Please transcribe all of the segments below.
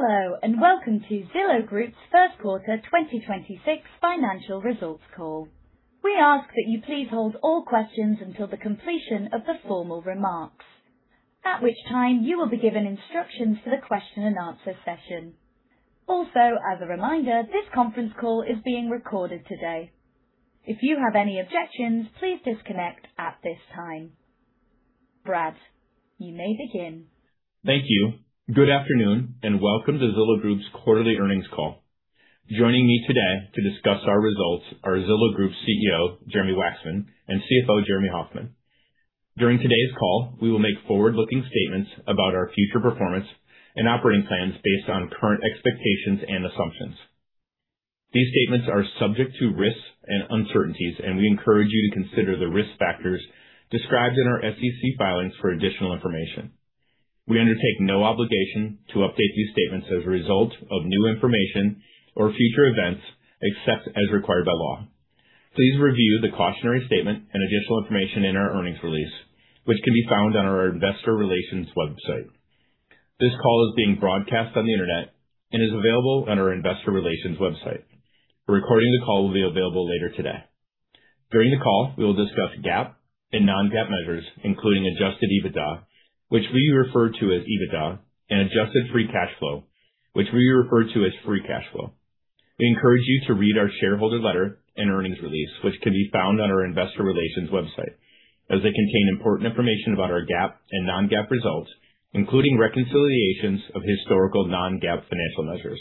Hello, welcome to Zillow Group's first quarter 2026 financial results call. We ask that you please hold all questions until the completion of the formal remarks, at which time you will be given instructions for the question and answer session. As a reminder, this conference call is being recorded today. If you have any objections, please disconnect at this time. Brad, you may begin. Thank you. Good afternoon, and welcome to Zillow Group's quarterly earnings call. Joining me today to discuss our results are Zillow Group CEO, Jeremy Wacksman, and CFO, Jeremy Hofmann. During today's call, we will make forward-looking statements about our future performance and operating plans based on current expectations and assumptions. These statements are subject to risks and uncertainties, and we encourage you to consider the risk factors described in our SEC filings for additional information. We undertake no obligation to update these statements as a result of new information or future events, except as required by law. Please review the cautionary statement and additional information in our earnings release, which can be found on our investor relations website. This call is being broadcast on the Internet and is available on our investor relations website. A recording of the call will be available later today. During the call, we will discuss GAAP and non-GAAP measures, including adjusted EBITDA, which we refer to as EBITDA, and adjusted free cash flow, which we refer to as free cash flow. We encourage you to read our shareholder letter and earnings release, which can be found on our investor relations website, as they contain important information about our GAAP and non-GAAP results, including reconciliations of historical non-GAAP financial measures.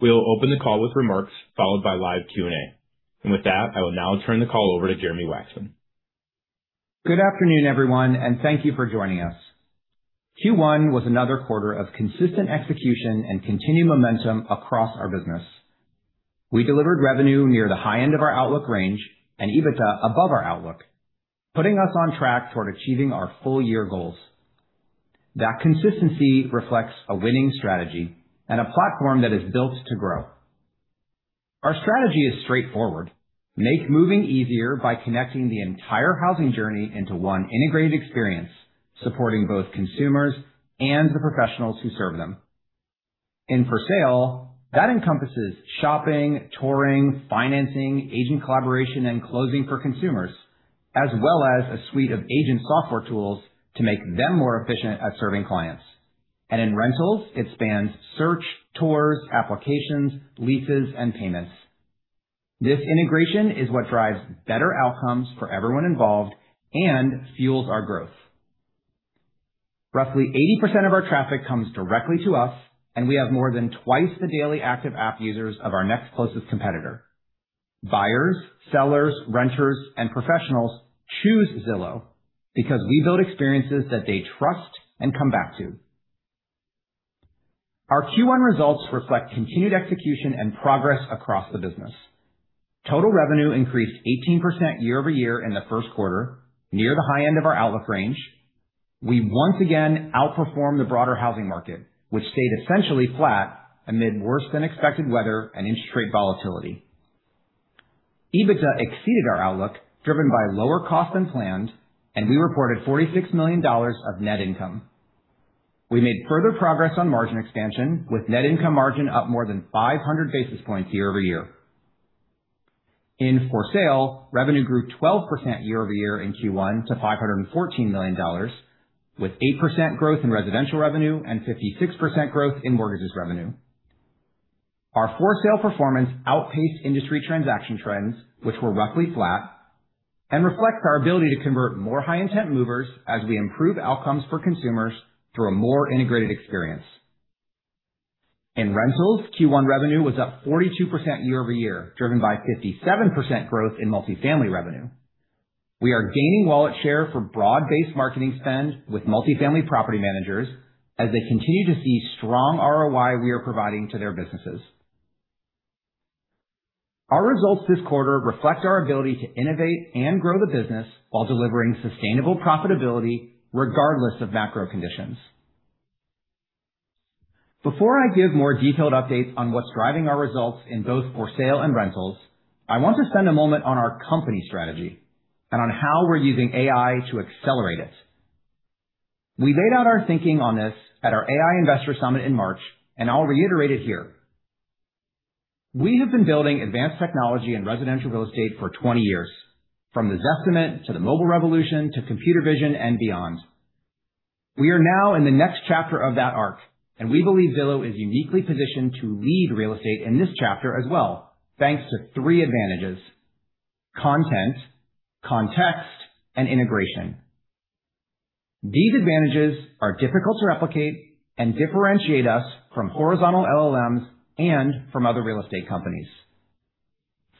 We will open the call with remarks followed by live Q&A. With that, I will now turn the call over to Jeremy Wacksman. Good afternoon, everyone, and thank you for joining us. Q1 was another quarter of consistent execution and continued momentum across our business. We delivered revenue near the high end of our outlook range and EBITDA above our outlook, putting us on track toward achieving our full-year goals. That consistency reflects a winning strategy and a platform that is built to grow. Our strategy is straightforward: make moving easier by connecting the entire housing journey into one integrated experience, supporting both consumers and the professionals who serve them. In for sale, that encompasses shopping, touring, financing, agent collaboration, and closing for consumers, as well as a suite of agent software tools to make them more efficient at serving clients. In rentals, it spans search, tours, applications, leases, and payments. This integration is what drives better outcomes for everyone involved and fuels our growth. Roughly 80% of our traffic comes directly to us. We have more than 2x the daily active app users of our next closest competitor. Buyers, sellers, renters, and professionals choose Zillow because we build experiences that they trust and come back to. Our Q1 results reflect continued execution and progress across the business. Total revenue increased 18% year-over-year in the first quarter, near the high end of our outlook range. We once again outperformed the broader housing market, which stayed essentially flat amid worse-than-expected weather and interest rate volatility. EBITDA exceeded our outlook, driven by lower costs than planned. We reported $46 million of net income. We made further progress on margin expansion, with net income margin up more than 500 basis points year-over-year. In for sale, revenue grew 12% year-over-year in Q1 to $514 million, with 8% growth in residential revenue and 56% growth in mortgages revenue. Our for sale performance outpaced industry transaction trends, which were roughly flat, and reflects our ability to convert more high-intent movers as we improve outcomes for consumers through a more integrated experience. In rentals, Q1 revenue was up 42% year-over-year, driven by 57% growth in multifamily revenue. We are gaining wallet share for broad-based marketing spend with multifamily property managers as they continue to see strong ROI we are providing to their businesses. Our results this quarter reflect our ability to innovate and grow the business while delivering sustainable profitability regardless of macro conditions. Before I give more detailed updates on what's driving our results in both for sale and rentals, I want to spend a moment on our company strategy and on how we're using AI to accelerate it. We laid out our thinking on this at our AI Investor Summit in March, and I'll reiterate it here. We have been building advanced technology in residential real estate for 20 years, from the Zestimate to the mobile revolution to computer vision and beyond. We are now in the next chapter of that arc, and we believe Zillow is uniquely positioned to lead real estate in this chapter as well, thanks to three advantages: content, context, and integration. These advantages are difficult to replicate and differentiate us from horizontal LLMs and from other real estate companies.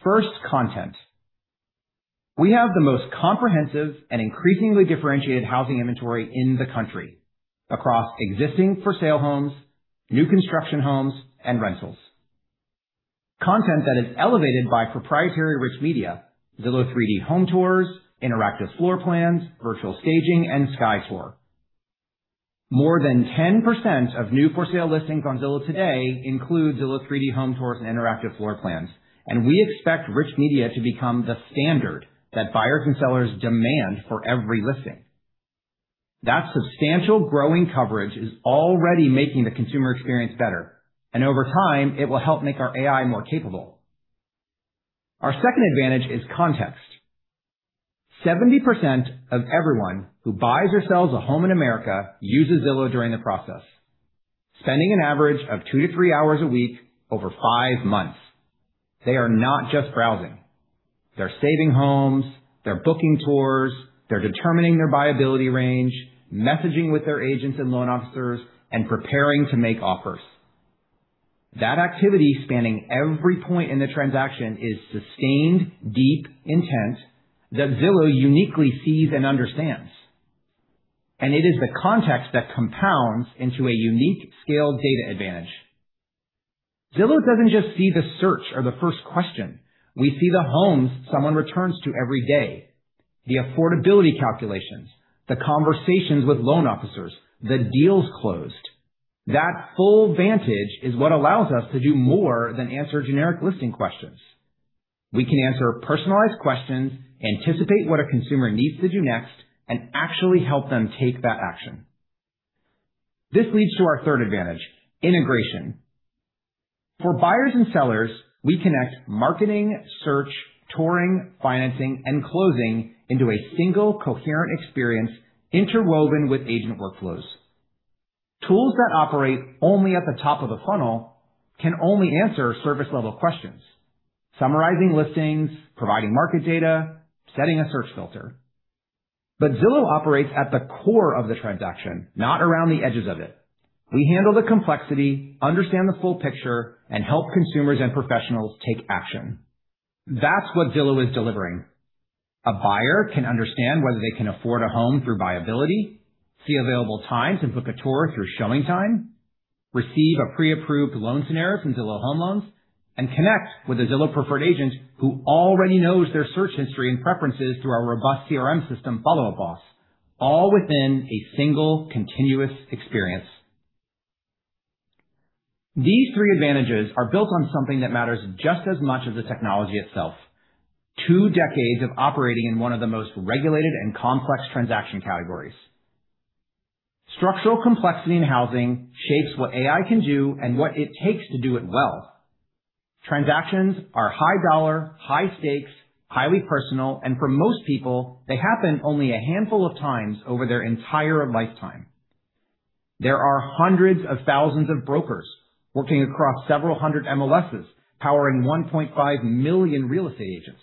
First, content. We have the most comprehensive and increasingly differentiated housing inventory in the country across existing for-sale homes, new construction homes, and rentals. Content that is elevated by proprietary rich media, Zillow 3D Home tours, interactive floor plans, virtual staging, and SkyTour. More than 10% of new for sale listings on Zillow today include Zillow 3D Home tours and interactive floor plans, and we expect rich media to become the standard that buyers and sellers demand for every listing. That substantial growing coverage is already making the consumer experience better, and over time, it will help make our AI more capable. Our second advantage is context. 70% of everyone who buys or sells a home in America uses Zillow during the process, spending an average of two to three hours a week over five months. They are not just browsing. They're saving homes, they're booking tours, they're determining their viability range, messaging with their agents and loan officers, and preparing to make offers. That activity spanning every point in the transaction is sustained, deep intent that Zillow uniquely sees and understands. It is the context that compounds into a unique scale data advantage. Zillow doesn't just see the search or the first question. We see the homes someone returns to every day, the affordability calculations, the conversations with loan officers, the deals closed. That full vantage is what allows us to do more than answer generic listing questions. We can answer personalized questions, anticipate what a consumer needs to do next, and actually help them take that action. This leads to our third advantage, integration. For buyers and sellers, we connect marketing, search, touring, financing, and closing into a single coherent experience interwoven with agent workflows. Tools that operate only at the top of the funnel can only answer service-level questions, summarizing listings, providing market data, setting a search filter. Zillow operates at the core of the transaction, not around the edges of it. We handle the complexity, understand the full picture, and help consumers and professionals take action. That's what Zillow is delivering. A buyer can understand whether they can afford a home through BuyAbility, see available times and book a tour through ShowingTime, receive a pre-approved loan scenario from Zillow Home Loans, and connect with a Zillow Preferred agent who already knows their search history and preferences through our robust CRM system, Follow Up Boss, all within a single continuous experience. These three advantages are built on something that matters just as much as the technology itself. Two decades of operating in one of the most regulated and complex transaction categories. Structural complexity in housing shapes what AI can do and what it takes to do it well. Transactions are high dollar, high stakes, highly personal, and for most people, they happen only a handful of times over their entire lifetime. There are hundreds of thousands of brokers working across several hundred MLSs, powering 1.5 million real estate agents.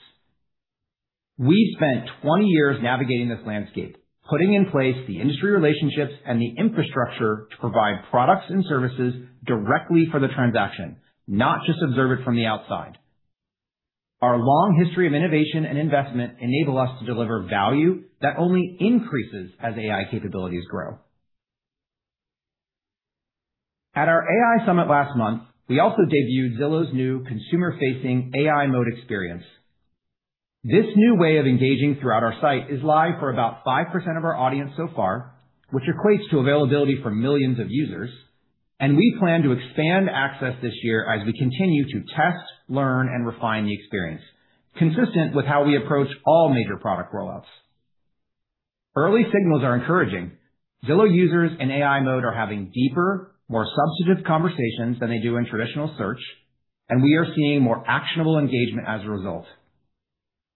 We've spent 20 years navigating this landscape, putting in place the industry relationships and the infrastructure to provide products and services directly for the transaction, not just observe it from the outside. Our long history of innovation and investment enable us to deliver value that only increases as AI capabilities grow. At our AI summit last month, we also debuted Zillow's new consumer-facing AI mode experience. This new way of engaging throughout our site is live for about 5% of our audience so far, which equates to availability for millions of users, and we plan to expand access this year as we continue to test, learn, and refine the experience, consistent with how we approach all major product rollouts. Early signals are encouraging. Zillow users in AI mode are having deeper, more substantive conversations than they do in traditional search, and we are seeing more actionable engagement as a result.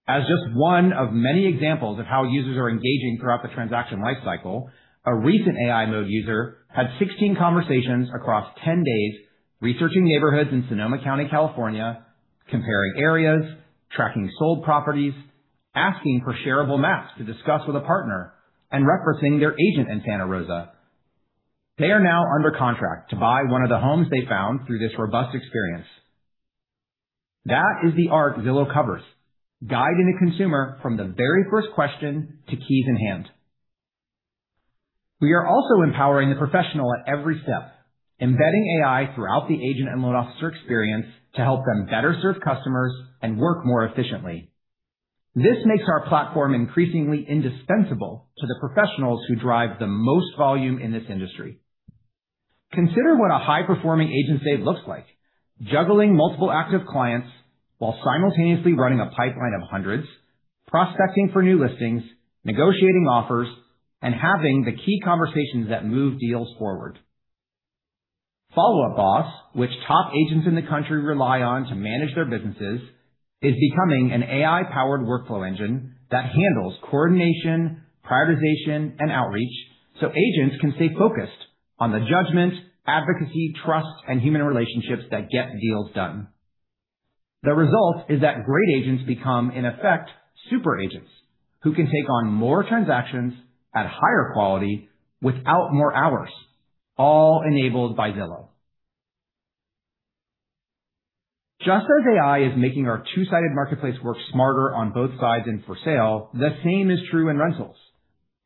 As just one of many examples of how users are engaging throughout the transaction lifecycle, a recent AI mode user had 16 conversations across 10 days researching neighborhoods in Sonoma County, California, comparing areas, tracking sold properties, asking for shareable maps to discuss with a partner, and referencing their agent in Santa Rosa. They are now under contract to buy one of the homes they found through this robust experience. That is the arc Zillow covers, guiding the consumer from the very first question to keys in hand. We are also empowering the professional at every step, embedding AI throughout the agent and loan officer experience to help them better serve customers and work more efficiently. This makes our platform increasingly indispensable to the professionals who drive the most volume in this industry. Consider what a high-performing agent day looks like, juggling multiple active clients while simultaneously running a pipeline of hundreds, prospecting for new listings, negotiating offers, and having the key conversations that move deals forward. Follow Up Boss, which top agents in the country rely on to manage their businesses, is becoming an AI-powered workflow engine that handles coordination, prioritization, and outreach so agents can stay focused on the judgment, advocacy, trust, and human relationships that get deals done. The result is that great agents become, in effect, super agents who can take on more transactions at higher quality without more hours, all enabled by Zillow. Just as AI is making our two-sided marketplace work smarter on both sides and for sale, the same is true in rentals.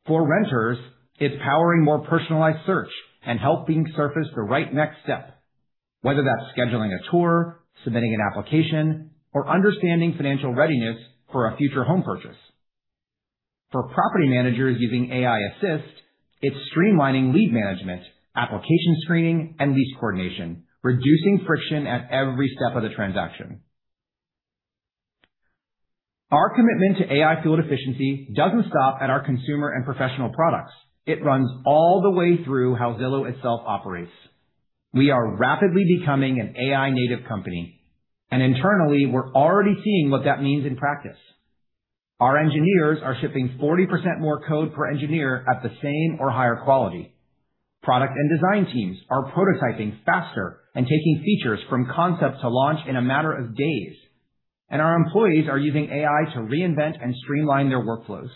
For renters, it's powering more personalized search and helping surface the right next step, whether that's scheduling a tour, submitting an application, or understanding financial readiness for a future home purchase. For property managers using AI Assist, it's streamlining lead management, application screening, and lease coordination, reducing friction at every step of the transaction. Our commitment to AI-fueled efficiency doesn't stop at our consumer and professional products. It runs all the way through how Zillow itself operates. We are rapidly becoming an AI-native company, and internally, we're already seeing what that means in practice. Our engineers are shipping 40% more code per engineer at the same or higher quality. Product and design teams are prototyping faster and taking features from concept to launch in a matter of days. Our employees are using AI to reinvent and streamline their workflows.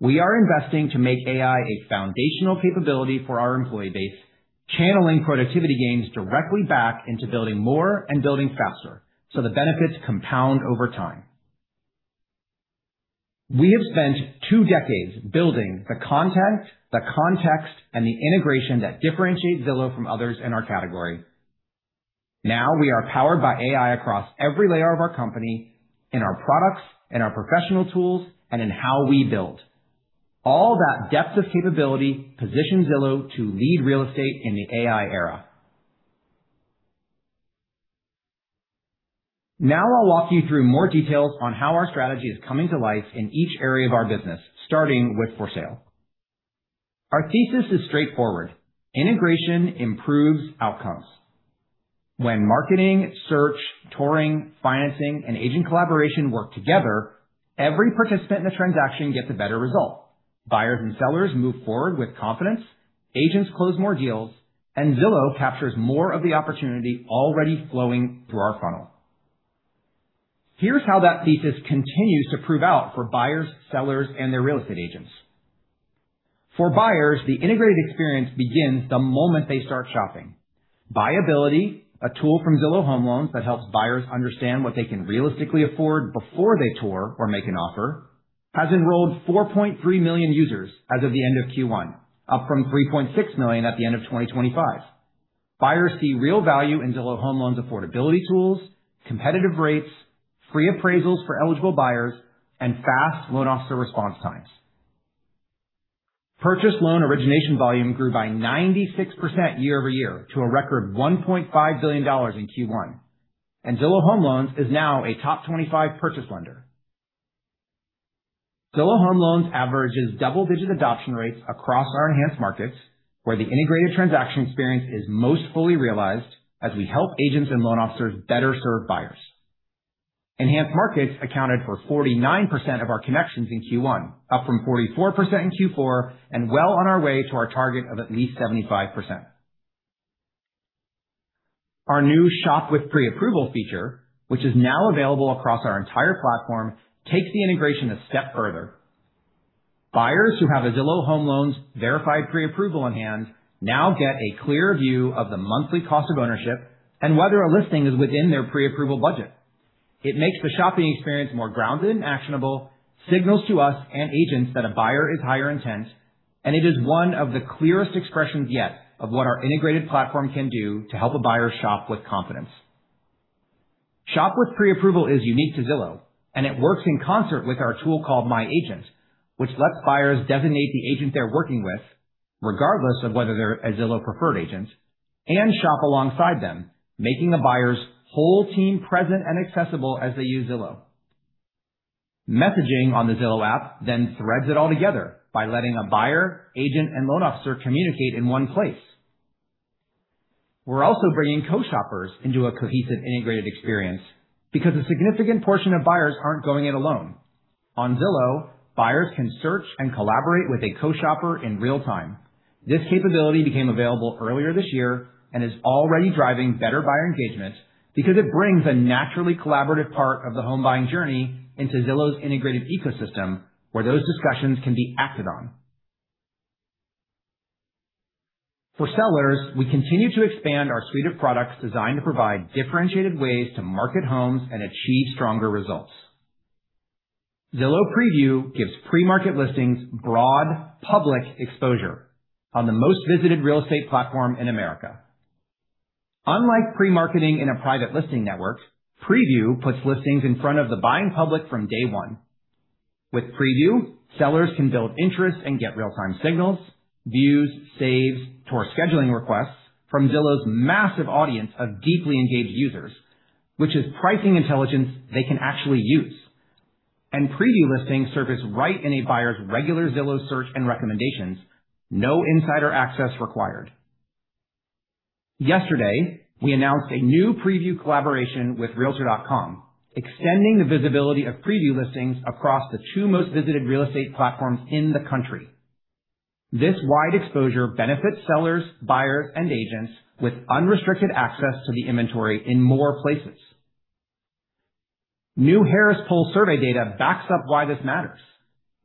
We are investing to make AI a foundational capability for our employee base, channeling productivity gains directly back into building more and building faster so the benefits compound over time. We have spent two decades building the content, the context, and the integration that differentiates Zillow from others in our category. Now we are powered by AI across every layer of our company, in our products, in our professional tools, and in how we build. All that depth of capability positions Zillow to lead real estate in the AI era. Now I'll walk you through more details on how our strategy is coming to life in each area of our business, starting with for sale. Our thesis is straightforward. Integration improves outcomes. When marketing, search, touring, financing, and agent collaboration work together, every participant in the transaction gets a better result. Buyers and sellers move forward with confidence, agents close more deals, and Zillow captures more of the opportunity already flowing through our funnel. Here's how that thesis continues to prove out for buyers, sellers, and their real estate agents. For buyers, the integrated experience begins the moment they start shopping. BuyAbility, a tool from Zillow Home Loans that helps buyers understand what they can realistically afford before they tour or make an offer, has enrolled 4.3 million users as of the end of Q1, up from 3.6 million at the end of 2025. Buyers see real value in Zillow Home Loans affordability tools, competitive rates, free appraisals for eligible buyers, and fast loan officer response times. Purchase loan origination volume grew by 96% year-over-year to a record $1.5 billion in Q1, and Zillow Home Loans is now a top 25 purchase lender. Zillow Home Loans averages double-digit adoption rates across our enhanced markets, where the integrated transaction experience is most fully realized as we help agents and loan officers better serve buyers. Enhanced markets accounted for 49% of our connections in Q1, up from 44% in Q4 and well on our way to our target of at least 75%. Our new Shop with Pre-approval feature, which is now available across our entire platform, takes the integration a step further. Buyers who have a Zillow Home Loans verified pre-approval in hand now get a clearer view of the monthly cost of ownership and whether a listing is within their pre-approval budget. It makes the shopping experience more grounded and actionable, signals to us and agents that a buyer is higher intent, and it is one of the clearest expressions yet of what our integrated platform can do to help a buyer shop with confidence. Shop with Pre-approval is unique to Zillow, and it works in concert with our tool called My Agent, which lets buyers designate the agent they're working with, regardless of whether they're a Zillow-preferred agent, and shop alongside them, making the buyer's whole team present and accessible as they use Zillow. Messaging on the Zillow app then threads it all together by letting a buyer, agent, and loan officer communicate in one place. We're also bringing co-shoppers into a cohesive integrated experience because a significant portion of buyers aren't going it alone. On Zillow, buyers can search and collaborate with a co-shopper in real time. This capability became available earlier this year and is already driving better buyer engagement because it brings a naturally collaborative part of the home buying journey into Zillow's integrated ecosystem where those discussions can be acted on. For sellers, we continue to expand our suite of products designed to provide differentiated ways to market homes and achieve stronger results. Zillow Preview gives pre-market listings broad public exposure on the most visited real estate platform in America. Unlike pre-marketing in a private listing network, Preview puts listings in front of the buying public from day one. With Preview, sellers can build interest and get real-time signals, views, saves, tour scheduling requests from Zillow's massive audience of deeply engaged users, which is pricing intelligence they can actually use. Preview listings surface right in a buyer's regular Zillow search and recommendations. No insider access required. Yesterday, we announced a new Preview collaboration with realtor.com, extending the visibility of Preview listings across the two most visited real estate platforms in the country. This wide exposure benefits sellers, buyers, and agents with unrestricted access to the inventory in more places. New Harris Poll survey data backs up why this matters.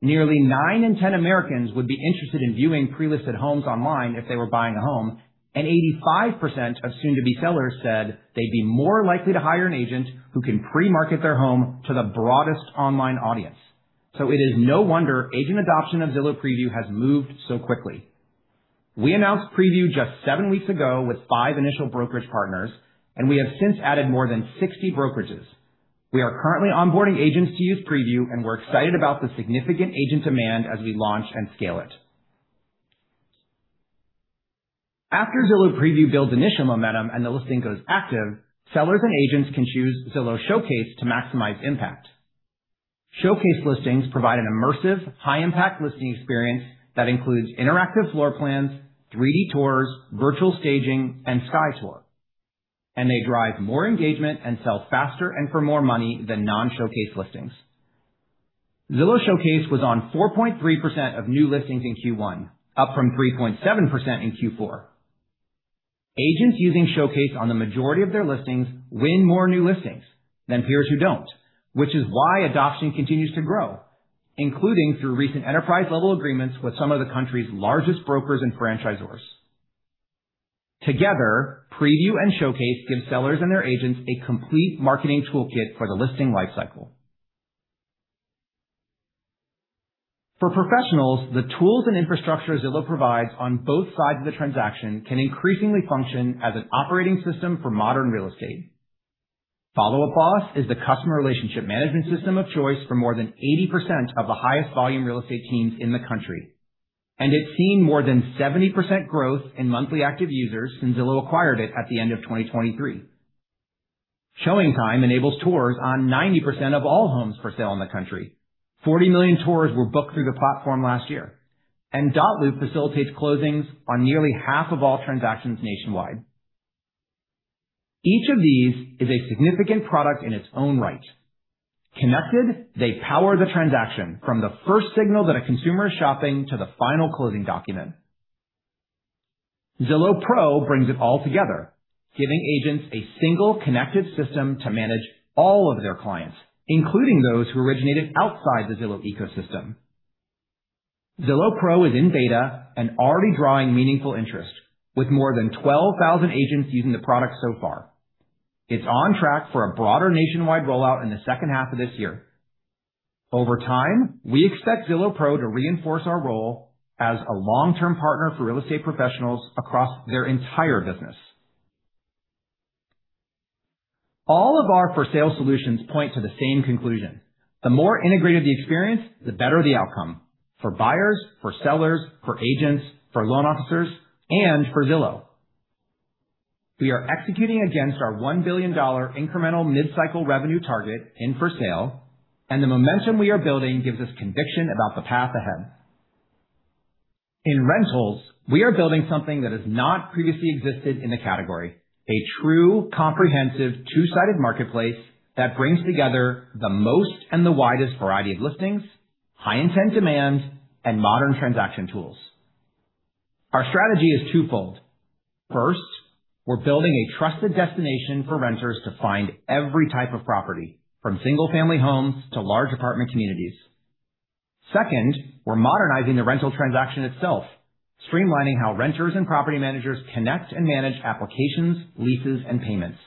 Nearly 9 in 10 Americans would be interested in viewing pre-listed homes online if they were buying a home. 85% of soon-to-be sellers said they'd be more likely to hire an agent who can pre-market their home to the broadest online audience. It is no wonder agent adoption of Zillow Preview has moved so quickly. We announced Preview just seven weeks ago with five initial brokerage partners. We have since added more than 60 brokerages. We are currently onboarding agents to use Preview. We're excited about the significant agent demand as we launch and scale it. After Zillow Preview builds initial momentum and the listing goes active, sellers and agents can choose Zillow Showcase to maximize impact. Showcase listings provide an immersive, high-impact listing experience that includes interactive floor plans, 3D tours, virtual staging, and Sky Tour. They drive more engagement and sell faster and for more money than non-Showcase listings. Zillow Showcase was on 4.3% of new listings in Q1, up from 3.7% in Q4. Agents using Showcase on the majority of their listings win more new listings than peers who don't, which is why adoption continues to grow, including through recent enterprise-level agreements with some of the country's largest brokers and franchisors. Together, Preview and Showcase give sellers and their agents a complete marketing toolkit for the listing lifecycle. For professionals, the tools and infrastructure Zillow provides on both sides of the transaction can increasingly function as an operating system for modern real estate. Follow Up Boss is the customer relationship management system of choice for more than 80% of the highest volume real estate teams in the country, and it's seen more than 70% growth in monthly active users since Zillow acquired it at the end of 2023. ShowingTime enables tours on 90% of all homes for sale in the country. 40 million tours were booked through the platform last year. Dotloop facilitates closings on nearly half of all transactions nationwide. Each of these is a significant product in its own right. Connected, they power the transaction from the first signal that a consumer is shopping to the final closing document. Zillow Pro brings it all together, giving agents a single connected system to manage all of their clients, including those who originated outside the Zillow ecosystem. Zillow Pro is in beta and already drawing meaningful interest, with more than 12,000 agents using the product so far. It's on track for a broader nationwide rollout in the second half of this year. Over time, we expect Zillow Pro to reinforce our role as a long-term partner for real estate professionals across their entire business. All of our For Sale solutions point to the same conclusion: the more integrated the experience, the better the outcome for buyers, for sellers, for agents, for loan officers, and for Zillow. We are executing against our $1 billion incremental mid-cycle revenue target in For Sale, and the momentum we are building gives us conviction about the path ahead. In rentals, we are building something that has not previously existed in the category: a true comprehensive two-sided marketplace that brings together the most and the widest variety of listings, high intent demand, and modern transaction tools. Our strategy is twofold. First, we're building a trusted destination for renters to find every type of property, from single-family homes to large apartment communities. Second, we're modernizing the rental transaction itself, streamlining how renters and property managers connect and manage applications, leases, and payments.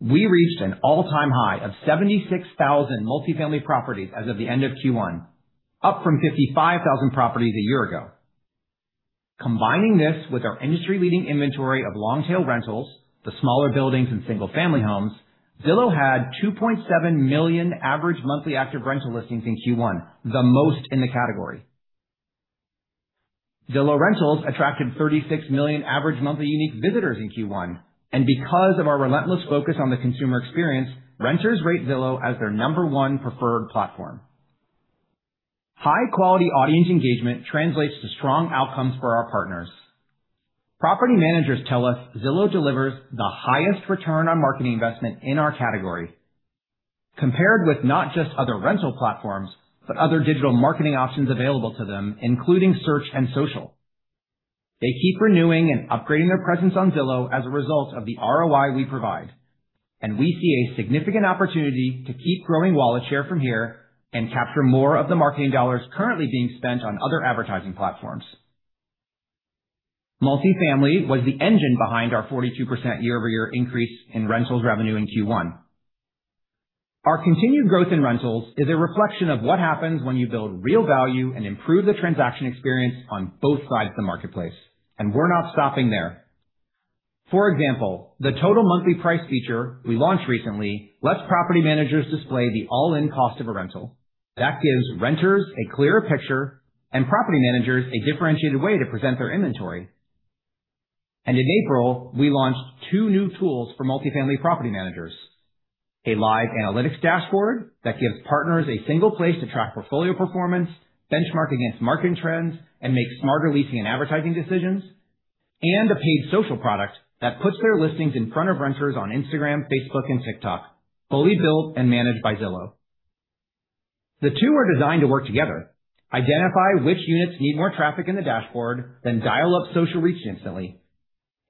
We reached an all-time high of 76,000 multifamily properties as of the end of Q1, up from 55,000 properties a year ago. Combining this with our industry-leading inventory of long-tail rentals, the smaller buildings and single-family homes, Zillow had 2.7 million average monthly active rental listings in Q1, the most in the category. Zillow Rentals attracted 36 million average monthly unique visitors in Q1. Because of our relentless focus on the consumer experience, renters rate Zillow as their number one preferred platform. High-quality audience engagement translates to strong outcomes for our partners. Property managers tell us Zillow delivers the highest return on marketing investment in our category, compared with not just other rental platforms, but other digital marketing options available to them, including search and social. They keep renewing and upgrading their presence on Zillow as a result of the ROI we provide, and we see a significant opportunity to keep growing wallet share from here and capture more of the marketing dollars currently being spent on other advertising platforms. Multifamily was the engine behind our 42% year-over-year increase in rentals revenue in Q1. Our continued growth in rentals is a reflection of what happens when you build real value and improve the transaction experience on both sides of the marketplace, and we're not stopping there. For example, the Total Monthly Price feature we launched recently lets property managers display the all-in cost of a rental. That gives renters a clearer picture and property managers a differentiated way to present their inventory. In April, we launched two new tools for multifamily property managers, a live analytics dashboard that gives partners a single place to track portfolio performance, benchmark against market trends, and make smarter leasing and advertising decisions, and a paid social product that puts their listings in front of renters on Instagram, Facebook, and TikTok, fully built and managed by Zillow. The two are designed to work together, identify which units need more traffic in the dashboard, then dial up social reach instantly.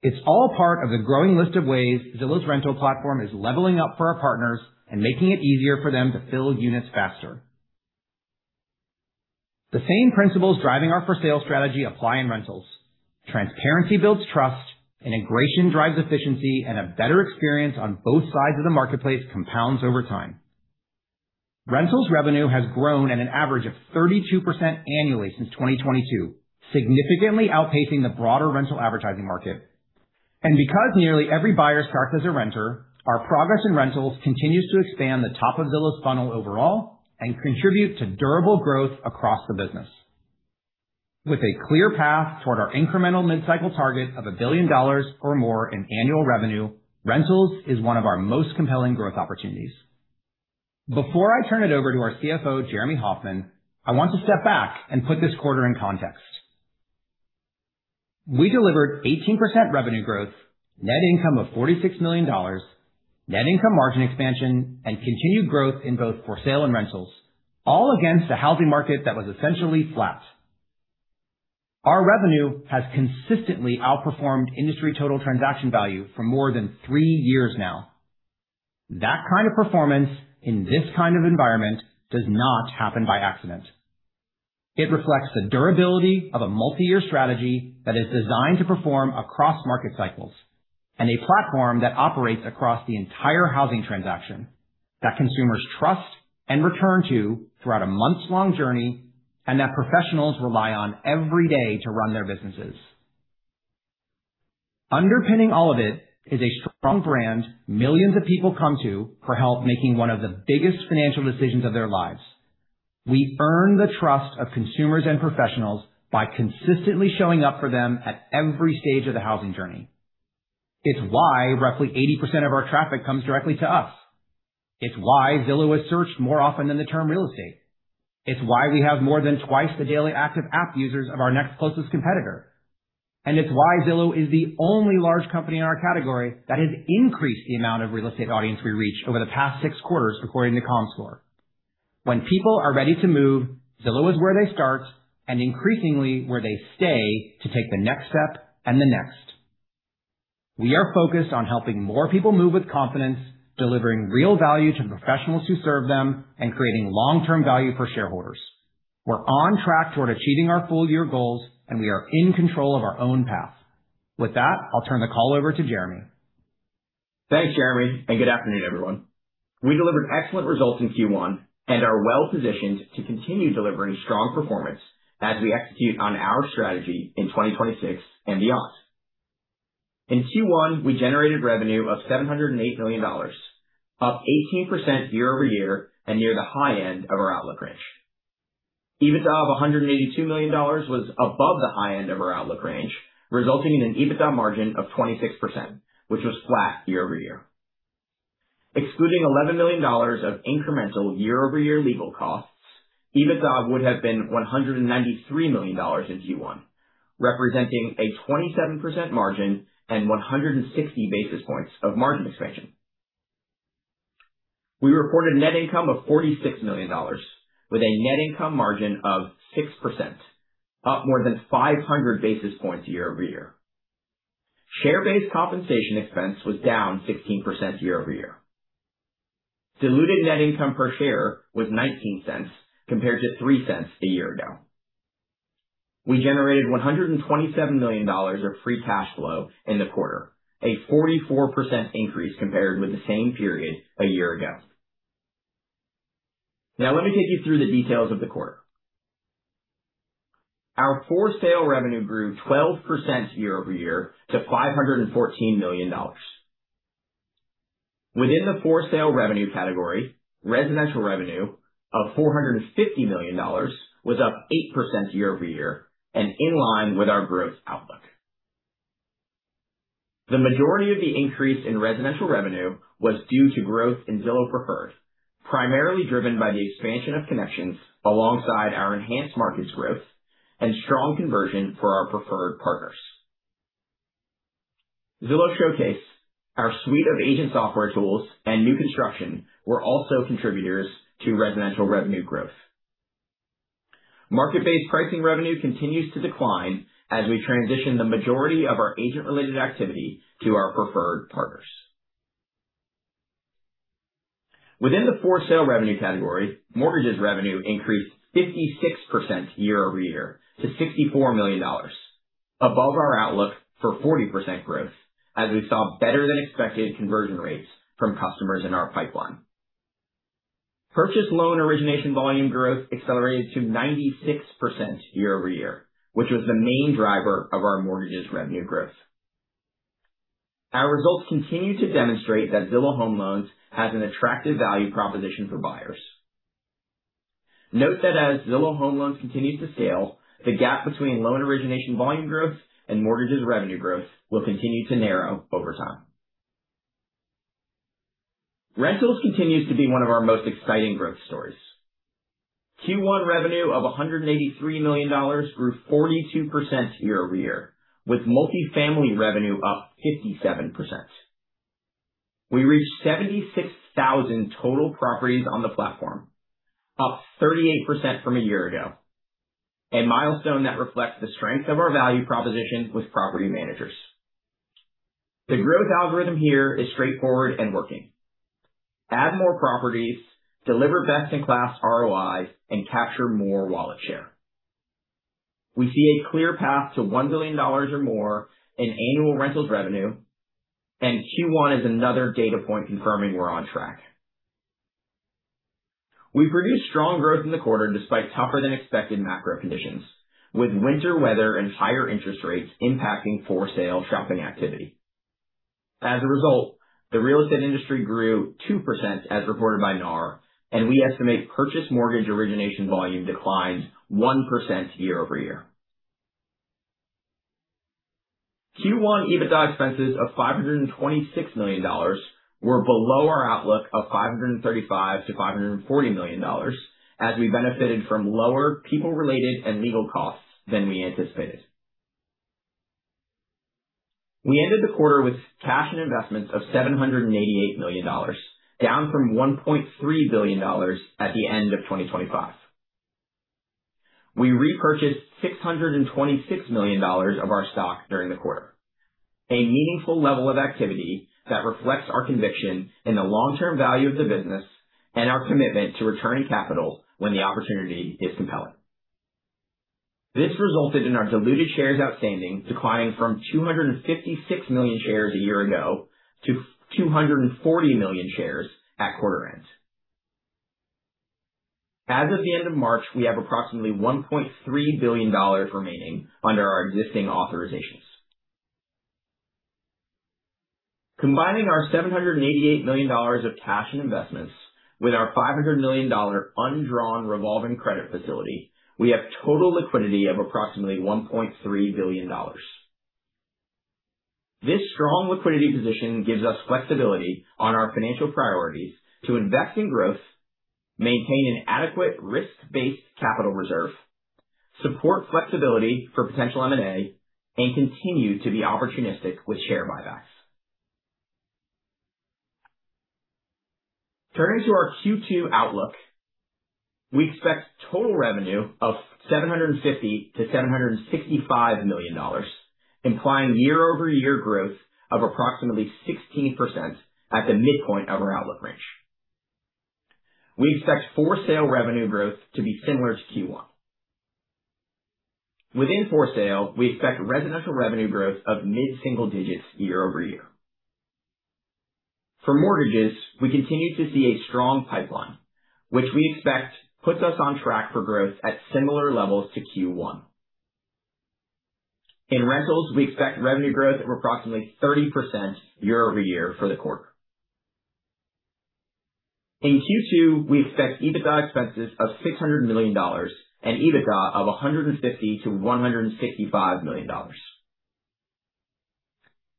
It's all part of the growing list of ways Zillow's rental platform is leveling up for our partners and making it easier for them to fill units faster. The same principles driving our for sale strategy apply in rentals. Transparency builds trust, integration drives efficiency, and a better experience on both sides of the marketplace compounds over time. Rentals revenue has grown at an average of 32% annually since 2022, significantly outpacing the broader rental advertising market. Because nearly every buyer starts as a renter, our progress in rentals continues to expand the top of Zillow's funnel overall and contribute to durable growth across the business. With a clear path toward our incremental mid-cycle target of $1 billion or more in annual revenue, rentals is one of our most compelling growth opportunities. Before I turn it over to our CFO, Jeremy Hofmann, I want to step back and put this quarter in context. We delivered 18% revenue growth, net income of $46 million, net income margin expansion, and continued growth in both for sale and rentals, all against a housing market that was essentially flat. Our revenue has consistently outperformed industry total transaction value for more than 3 years now. That kind of performance in this kind of environment does not happen by accident. It reflects the durability of a multi-year strategy that is designed to perform across market cycles and a platform that operates across the entire housing transaction that consumers trust and return to throughout a months long journey and that professionals rely on every day to run their businesses. Underpinning all of it is a strong brand millions of people come to for help making one of the biggest financial decisions of their lives. We earn the trust of consumers and professionals by consistently showing up for them at every stage of the housing journey. It's why roughly 80% of our traffic comes directly to us. It's why Zillow is searched more often than the term real estate. It's why we have more than twice the daily active app users of our next closest competitor. It's why Zillow is the only large company in our category that has increased the amount of real estate audience we reach over the past six quarters, according to Comscore. When people are ready to move, Zillow is where they start and increasingly where they stay to take the next step and the next. We are focused on helping more people move with confidence, delivering real value to professionals who serve them, and creating long-term value for shareholders. We're on track toward achieving our full year goals and we are in control of our own path. With that, I'll turn the call over to Jeremy. Thanks, Jeremy. Good afternoon, everyone. We delivered excellent results in Q1 and are well-positioned to continue delivering strong performance as we execute on our strategy in 2026 and beyond. In Q1, we generated revenue of $708 million, up 18% year-over-year and near the high end of our outlook range. EBITDA of $182 million was above the high end of our outlook range, resulting in an EBITDA margin of 26%, which was flat year-over-year. Excluding $11 million of incremental year-over-year legal costs, EBITDA would have been $193 million in Q1, representing a 27% margin and 160 basis points of margin expansion. We reported net income of $46 million with a net income margin of 6%, up more than 500 basis points year-over-year. Share-based compensation expense was down 16% year-over-year. Diluted net income per share was $0.19 compared to $0.03 a year ago. We generated $127 million of free cash flow in the quarter, a 44% increase compared with the same period a year ago. Now, let me take you through the details of the quarter. Our for sale revenue grew 12% year-over-year to $514 million. Within the for sale revenue category, residential revenue of $450 million was up 8% year-over-year and in line with our growth outlook. The majority of the increase in residential revenue was due to growth in Zillow Preferred, primarily driven by the expansion of connections alongside our enhanced markets growth and strong conversion for our preferred partners. Zillow Showcase, our suite of agent software tools and new construction were also contributors to residential revenue growth. Market-based pricing revenue continues to decline as we transition the majority of our agent-related activity to our preferred partners. Within the for sale revenue category, mortgages revenue increased 56% year-over-year to $64 million, above our outlook for 40% growth as we saw better than expected conversion rates from customers in our pipeline. Purchase loan origination volume growth accelerated to 96% year-over-year, which was the main driver of our mortgages revenue growth. Our results continue to demonstrate that Zillow Home Loans has an attractive value proposition for buyers. Note that as Zillow Home Loans continues to scale, the gap between loan origination volume growth and mortgages revenue growth will continue to narrow over time. Rentals continues to be one of our most exciting growth stories. Q1 revenue of $183 million grew 42% year-over-year, with multifamily revenue up 57%. We reached 76,000 total properties on the platform, up 38% from a year ago, a milestone that reflects the strength of our value proposition with property managers. The growth algorithm here is straightforward and working. Add more properties, deliver best in class ROI, and capture more wallet share. We see a clear path to $1 billion or more in annual rentals revenue. Q1 is another data point confirming we're on track. We produced strong growth in the quarter despite tougher than expected macro conditions, with winter weather and higher interest rates impacting for-sale shopping activity. As a result, the real estate industry grew 2% as reported by NAR, and we estimate purchase mortgage origination volume declined 1% year-over-year. Q1 EBITDA expenses of $526 million were below our outlook of $535 million-$540 million, as we benefited from lower people-related and legal costs than we anticipated. We ended the quarter with cash and investments of $788 million, down from $1.3 billion at the end of 2025. We repurchased $626 million of our stock during the quarter, a meaningful level of activity that reflects our conviction in the long-term value of the business and our commitment to returning capital when the opportunity is compelling. This resulted in our diluted shares outstanding declining from 256 million shares a year ago to 240 million shares at quarter end. As of the end of March, we have approximately $1.3 billion remaining under our existing authorizations. Combining our $788 million of cash and investments with our $500 million undrawn revolving credit facility, we have total liquidity of approximately $1.3 billion. This strong liquidity position gives us flexibility on our financial priorities to invest in growth, maintain an adequate risk-based capital reserve, support flexibility for potential M&A, and continue to be opportunistic with share buybacks. Turning to our Q2 outlook, we expect total revenue of $750 million-$765 million, implying year-over-year growth of approximately 16% at the midpoint of our outlook range. We expect for-sale revenue growth to be similar to Q1. Within for-sale, we expect residential revenue growth of mid-single digits year-over-year. For mortgages, we continue to see a strong pipeline, which we expect puts us on track for growth at similar levels to Q1. In rentals, we expect revenue growth of approximately 30% year-over-year for the quarter. In Q2, we expect EBITDA expenses of $600 million and EBITDA of $150 million-$165 million.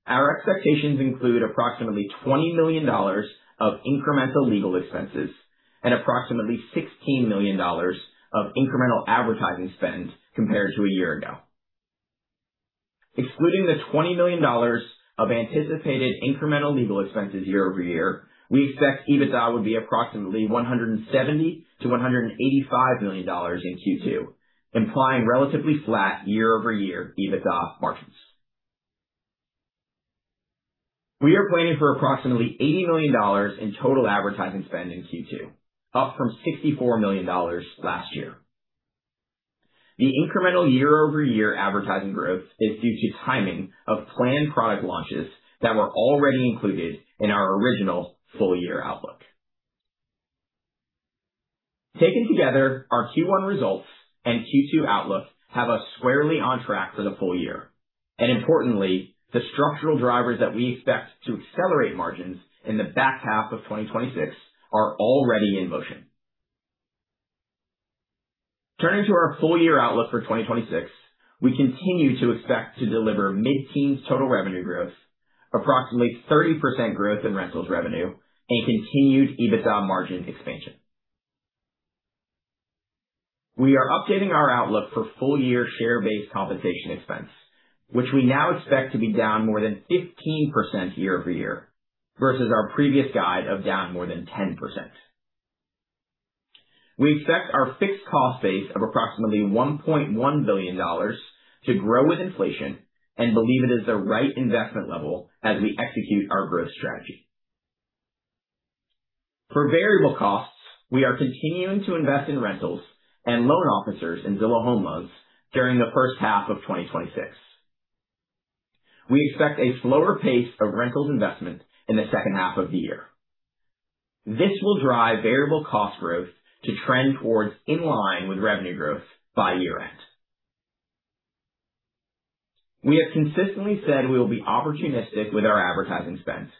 Our expectations include approximately $20 million of incremental legal expenses and approximately $16 million of incremental advertising spend compared to a year ago. Excluding the $20 million of anticipated incremental legal expenses year-over-year, we expect EBITDA would be approximately $170 million-$185 million in Q2, implying relatively flat year-over-year EBITDA margins. We are planning for approximately $80 million in total advertising spend in Q2, up from $64 million last year. The incremental year-over-year advertising growth is due to timing of planned product launches that were already included in our original full year outlook. Taken together, our Q1 results and Q2 outlook have us squarely on track for the full year. Importantly, the structural drivers that we expect to accelerate margins in the back half of 2026 are already in motion. Turning to our full year outlook for 2026, we continue to expect to deliver mid-teens total revenue growth, approximately 30% growth in rentals revenue, and continued EBITDA margin expansion. We are updating our outlook for full year share-based compensation expense, which we now expect to be down more than 15% year-over-year, versus our previous guide of down more than 10%. We expect our fixed cost base of approximately $1.1 billion to grow with inflation and believe it is the right investment level as we execute our growth strategy. For variable costs, we are continuing to invest in rentals and loan officers in Zillow Home Loans during the first half of 2026. We expect a slower pace of rentals investment in the second half of the year. This will drive variable cost growth to trend towards in line with revenue growth by year end. We have consistently said we will be opportunistic with our advertising spend,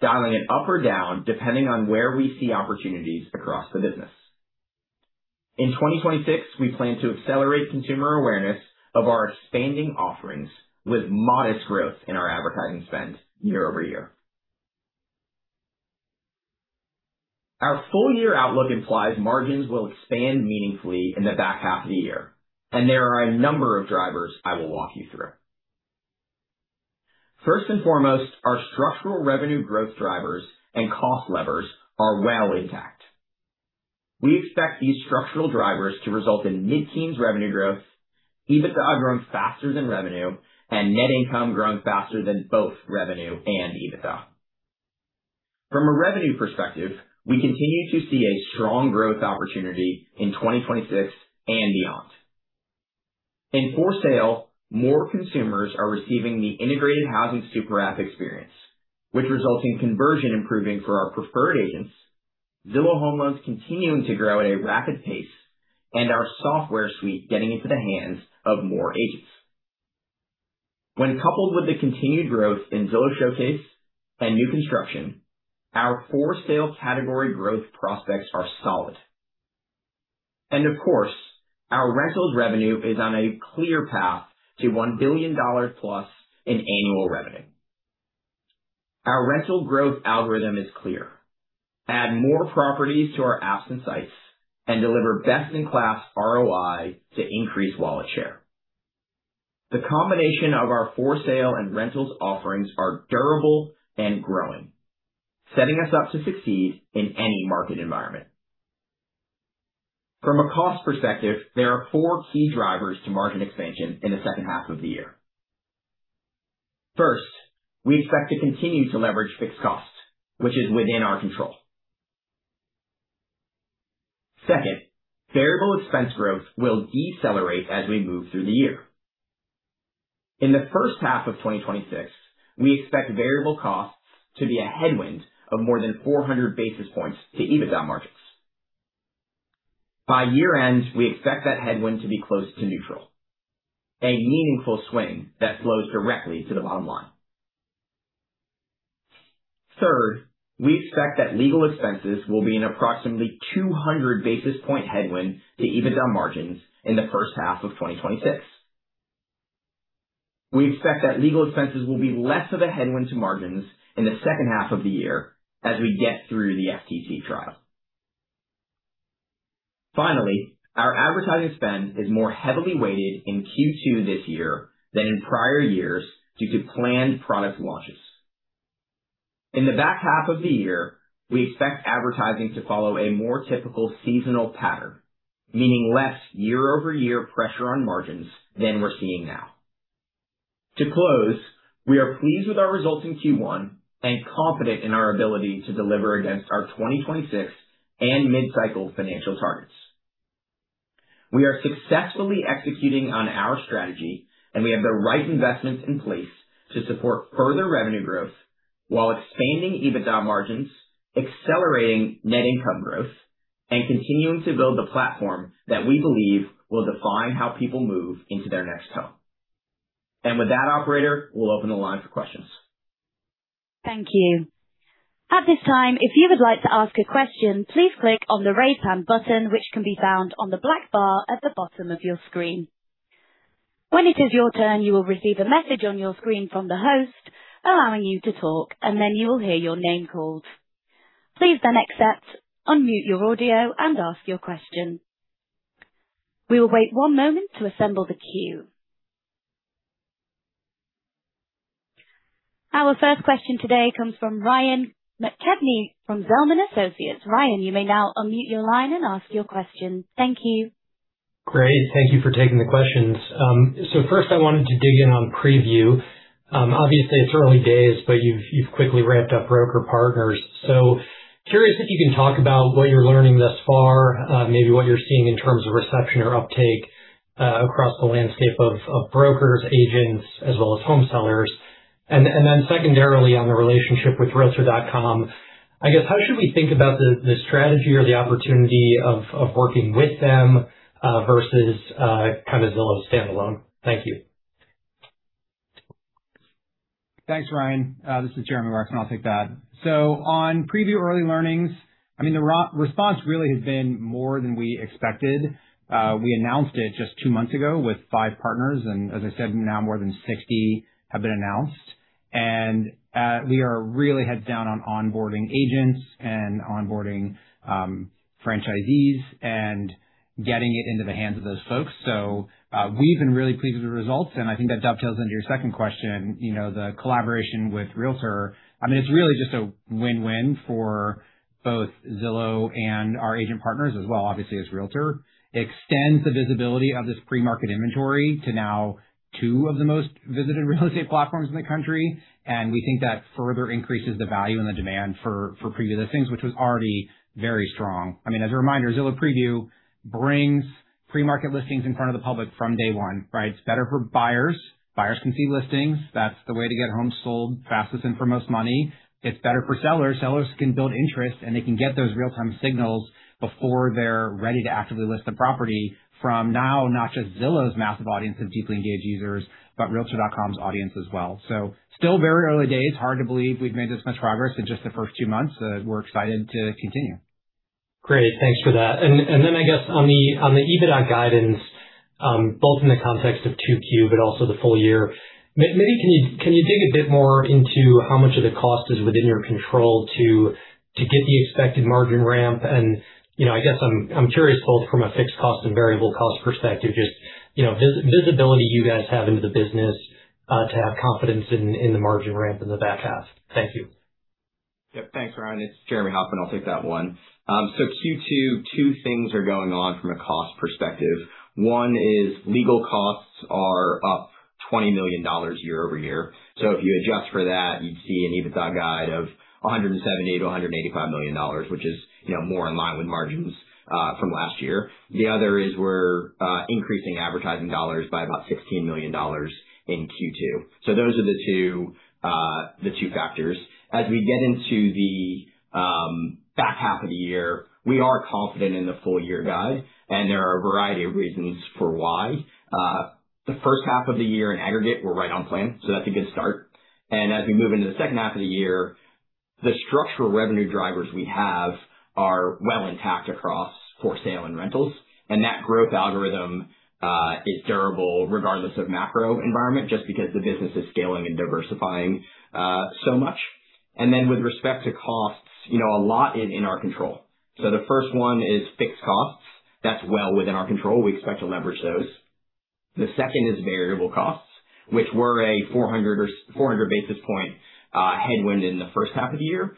dialing it up or down depending on where we see opportunities across the business. In 2026, we plan to accelerate consumer awareness of our expanding offerings with modest growth in our advertising spend year-over-year. Our full year outlook implies margins will expand meaningfully in the back half of the year, and there are a number of drivers I will walk you through. First and foremost, our structural revenue growth drivers and cost levers are well intact. We expect these structural drivers to result in mid-teens revenue growth, EBITDA growing faster than revenue, and net income growing faster than both revenue and EBITDA. From a revenue perspective, we continue to see a strong growth opportunity in 2026 and beyond. In for sale, more consumers are receiving the integrated housing super app experience, which results in conversion improving for our preferred agents, Zillow Home Loans continuing to grow at a rapid pace, and our software suite getting into the hands of more agents. When coupled with the continued growth in Zillow Showcase and new construction, our for sale category growth prospects are solid. Of course, our rentals revenue is on a clear path to $1 billion plus in annual revenue. Our rental growth algorithm is clear. Add more properties to our apps and sites and deliver best-in-class ROI to increase wallet share. The combination of our for sale and rentals offerings are durable and growing, setting us up to succeed in any market environment. From a cost perspective, there are four key drivers to margin expansion in the second half of the year. First, we expect to continue to leverage fixed costs, which is within our control. Second, variable expense growth will decelerate as we move through the year. In the first half of 2026, we expect variable costs to be a headwind of more than 400 basis points to EBITDA margins. By year-end, we expect that headwind to be close to neutral, a meaningful swing that flows directly to the bottom line. Third, we expect that legal expenses will be an approximately 200 basis point headwind to EBITDA margins in the first half of 2026. We expect that legal expenses will be less of a headwind to margins in the second half of the year as we get through the FTC trial. Finally, our advertising spend is more heavily weighted in Q2 this year than in prior years due to planned product launches. In the back half of the year, we expect advertising to follow a more typical seasonal pattern, meaning less year-over-year pressure on margins than we're seeing now. To close, we are pleased with our results in Q1 and confident in our ability to deliver against our 2026 and mid-cycle financial targets. We are successfully executing on our strategy, and we have the right investments in place to support further revenue growth while expanding EBITDA margins, accelerating net income growth, and continuing to build the platform that we believe will define how people move into their next home. With that, operator, we'll open the line for questions. Thank you. At this time, if you would like to ask a question, please click on the Raise Hand button, which can be found on the black bar at the bottom of your screen. When it is your turn, you will receive a message on your screen from the host allowing you to talk, and then you will hear your name called. Please then accept, unmute your audio and ask your question. We will wait one moment to assemble the queue. Our first question today comes from Ryan McKeveny from Zelman & Associates. Ryan, you may now unmute your line and ask your question. Thank you. Great. Thank you for taking the questions. First, I wanted to dig in on Zillow Preview. Obviously it's early days, but you've quickly ramped up broker partners. Curious if you can talk about what you're learning thus far, maybe what you're seeing in terms of reception or uptake across the landscape of brokers, agents, as well as home sellers. Then secondarily, on the relationship with realtor.com, I guess how should we think about the strategy or the opportunity of working with them versus kind of Zillow standalone? Thank you. Thanks, Ryan. This is Jeremy Wacksman and I'll take that. On Preview early learnings, I mean, the response really has been more than we expected. We announced it just two months ago with five partners and as I said, now more than 60 have been announced. We are really heads down on onboarding agents and onboarding franchisees and getting it into the hands of those folks. We've been really pleased with the results, and I think that dovetails into your second question, you know, the collaboration with realtor.com. I mean, it's really just a win-win for both Zillow and our agent partners as well, obviously, as realtor.com. It extends the visibility of this pre-market inventory to now two of the most visited real estate platforms in the country. We think that further increases the value and the demand for Preview listings, which was already very strong. I mean, as a reminder, Zillow Preview brings pre-market listings in front of the public from day one, right? It's better for buyers. Buyers can see listings. That's the way to get homes sold fastest and for most money. It's better for sellers. Sellers can build interest, and they can get those real-time signals before they're ready to actively list the property from now, not just Zillow's massive audience of deeply engaged users, but realtor.com's audience as well. Still very early days. Hard to believe we've made this much progress in just the first two months. We're excited to continue. Great. Thanks for that. Then I guess on the EBITDA guidance, both in the context of 2Q but also the full year, maybe can you dig a bit more into how much of the cost is within your control to get the expected margin ramp? You know, I'm curious both from a fixed cost and variable cost perspective, just, you know, visibility you guys have into the business to have confidence in the margin ramp in the back half. Thank you. Yep. Thanks, Ryan. It's Jeremy Hofmann. I'll take that one. Q2, two things are going on from a cost perspective. One is legal costs are up $20 million year-over-year. If you adjust for that, you'd see an EBITDA guide of $170 million-$185 million, which is, you know, more in line with margins from last year. The other is we're increasing advertising dollars by about $16 million in Q2. Those are the two factors. As we get into the back half of the year, we are confident in the full year guide, and there are a variety of reasons for why. The first half of the year in aggregate were right on plan, so that's a good start. As we move into the second half of the year, the structural revenue drivers we have are well intact across for sale and rentals, that growth algorithm is durable regardless of macro environment, just because the business is scaling and diversifying so much. With respect to costs, you know, a lot is in our control. The first one is fixed costs. That's well within our control. We expect to leverage those. The second is variable costs, which were a 400 basis point headwind in the first half of the year.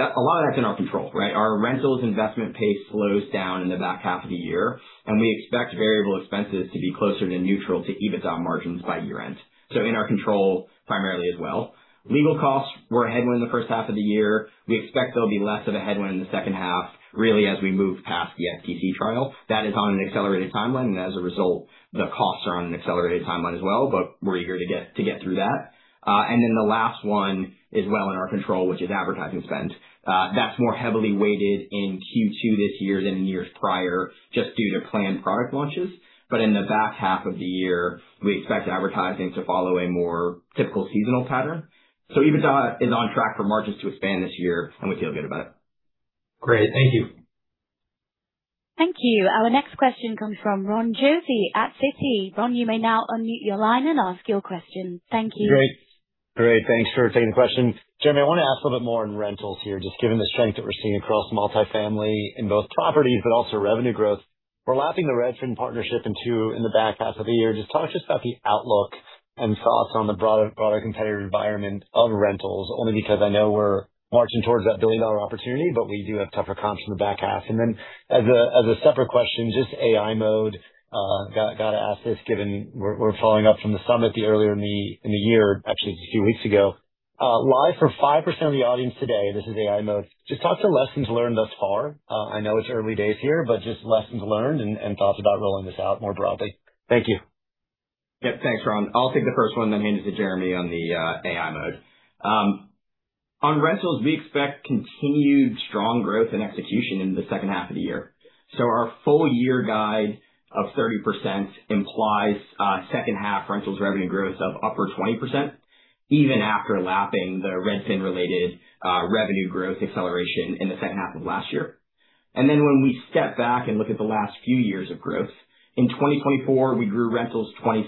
A lot of that's in our control, right? Our rentals investment pace slows down in the back half of the year, and we expect variable expenses to be closer to neutral to EBITDA margins by year-end. In our control primarily as well. Legal costs were a headwind in the first half of the year. We expect they'll be less of a headwind in the second half, really as we move past the FTC trial. That is on an accelerated timeline, and as a result, the costs are on an accelerated timeline as well, but we're eager to get through that. Then the last one is well in our control, which is advertising spend. That's more heavily weighted in Q2 this year than in years prior just due to planned product launches. In the back half of the year, we expect advertising to follow a more typical seasonal pattern. EBITDA is on track for margins to expand this year, and we feel good about it. Great. Thank you. Thank you. Our next question comes from Ron Josey at Citi. Ron, you may now unmute your line and ask your question. Thank you. Great. Great. Thanks for taking the question. Jeremy, I wanna ask a little bit more on rentals here, just given the strength that we're seeing across multifamily in both properties, but also revenue growth. We're lapping the Redfin partnership in the back half of the year. Just talk to us about the outlook and thoughts on the broader competitive environment of rentals, only because I know we're marching towards that $1 billion opportunity, but we do have tougher comps in the back half. As a separate question, just Zillow AI mode. Gotta ask this given we're following up from the summit earlier in the year, actually just a few weeks ago. Live for 5% of the audience today, this is Zillow AI mode. Just talk to lessons learned thus far. I know it's early days here, but just lessons learned and thoughts about rolling this out more broadly. Thank you. Yep. Thanks, Ron. I'll take the first one, then hand it to Jeremy on the AI mode. On rentals, we expect continued strong growth and execution in the second half of the year. Our full year guide of 30% implies second half rentals revenue growth of upper 20%, even after lapping the Redfin-related revenue growth acceleration in the second half of last year. When we step back and look at the last few years of growth, in 2024, we grew rentals 27%.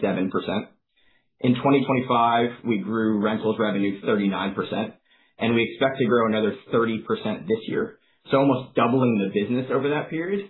In 2025, we grew rentals revenue 39%, and we expect to grow another 30% this year. Almost doubling the business over that period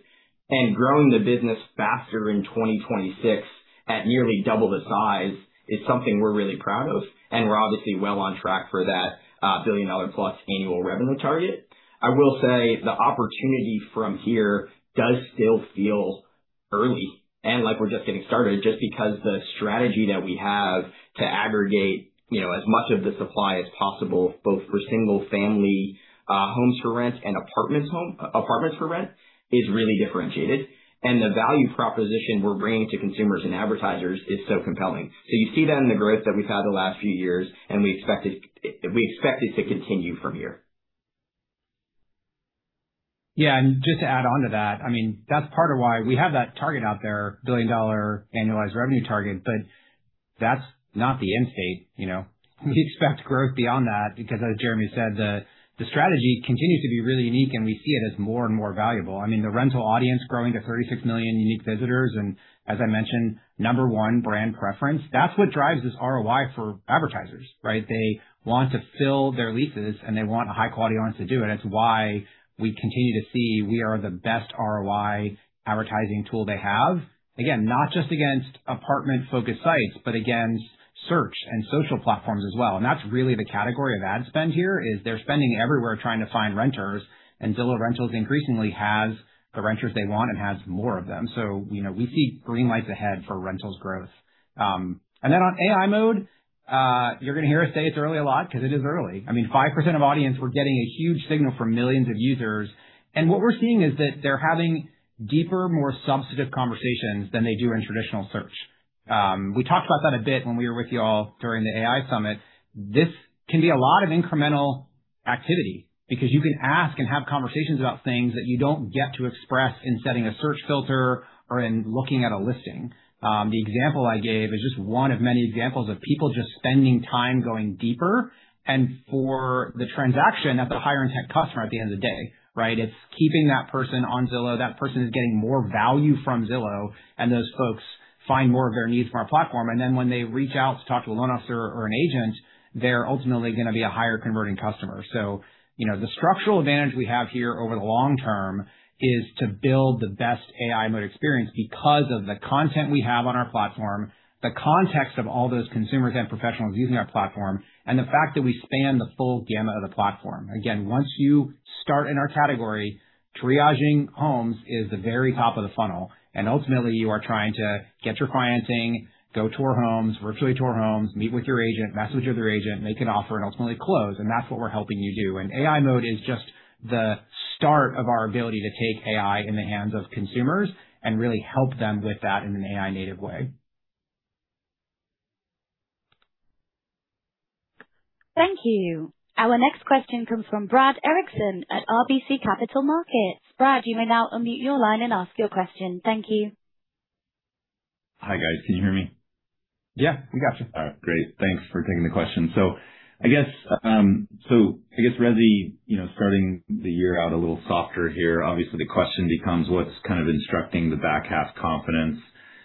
and growing the business faster in 2026 at nearly double the size is something we're really proud of, and we're obviously well on track for that billion-dollar-plus annual revenue target. I will say the opportunity from here does still feel early and like we're just getting started just because the strategy that we have to aggregate, you know, as much of the supply as possible, both for single family homes for rent and apartments for rent is really differentiated. The value proposition we're bringing to consumers and advertisers is so compelling. You see that in the growth that we've had the last few years, and we expect it to continue from here. Just to add on to that, I mean, that's part of why we have that target out there, $1 billion annualized revenue target, but that's not the end state, you know. We expect growth beyond that because, as Jeremy said, the strategy continues to be really unique, and we see it as more and more valuable. I mean, the rental audience growing to 36 million unique visitors and, as I mentioned, number one brand preference, that's what drives this ROI for advertisers, right? They want to fill their leases, and they want a high-quality audience to do it. That's why we continue to see we are the best ROI advertising tool they have. Again, not just against apartment-focused sites, but against search and social platforms as well. That's really the category of ad spend here, is they're spending everywhere trying to find renters, and Zillow Rentals increasingly has the renters they want and has more of them. You know, we see green lights ahead for rentals growth. On AI Mode, you're gonna hear us say it's early a lot 'cause it is early. I mean, 5% of audience, we're getting a huge signal from millions of users. What we're seeing is that they're having deeper, more substantive conversations than they do in traditional search. We talked about that a bit when we were with you all during the AI Summit. This can be a lot of incremental activity because you can ask and have conversations about things that you don't get to express in setting a search filter or in looking at a listing. The example I gave is just one of many examples of people just spending time going deeper. For the transaction, that's a higher-intent customer at the end of the day, right? It's keeping that person on Zillow. That person is getting more value from Zillow, those folks find more of their needs from our platform. Then when they reach out to talk to a loan officer or an agent, they're ultimately gonna be a higher converting customer. You know, the structural advantage we have here over the long term is to build the best AI mode experience because of the content we have on our platform, the context of all those consumers and professionals using our platform, the fact that we span the full gamut of the platform. Once you start in our category, triaging homes is the very top of the funnel, and ultimately you are trying to get your financing, go tour homes, virtually tour homes, meet with your agent, message with your agent, make an offer, and ultimately close. That's what we're helping you do. AI mode is just the start of our ability to take AI in the hands of consumers and really help them with that in an AI-native way. Thank you. Our next question comes from Brad Erickson at RBC Capital Markets. Thank you. Hi, guys. Can you hear me? Yeah, we got you. All right. Great. Thanks for taking the question. I guess resi, you know, starting the year out a little softer here, obviously the question becomes what's kind of instructing the back half confidence